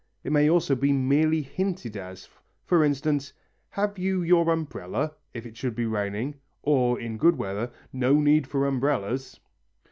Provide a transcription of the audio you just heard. It may also be merely hinted as, for instance, "Have you your umbrella?" if it should be raining, or in good weather, "No need for umbrellas."